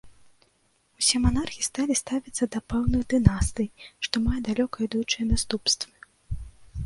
Усе манархі сталі ставіцца да пэўных дынастый, што мае далёка ідучыя наступствы.